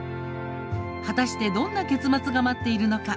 果たしてどんな結末が待っているのか。